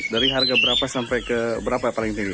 dari harga berapa sampai ke berapa paling tinggi